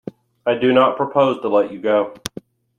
I do not propose to let you go.